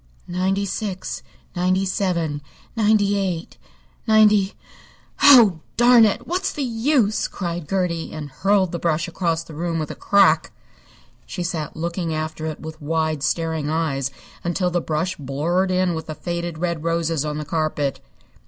"Ninety six, ninety seven, ninety eight, ninety Oh, darn it! What's the use!" cried Gertie, and hurled the brush across the room with a crack. She sat looking after it with wide, staring eyes until the brush blurred in with the faded red roses on the carpet.